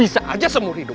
bisa aja sembur hidup